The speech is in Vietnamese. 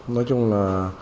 nói chung là